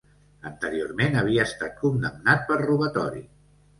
Anteriorment havia estat condemnat per robatori.